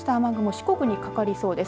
四国にかかりそうです。